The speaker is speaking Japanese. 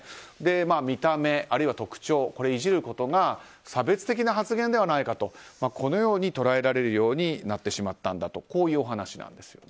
見た目、あるいは特徴をイジることが差別的な発言ではないかと捉えられるようになってしまったんだとこういうお話なんです。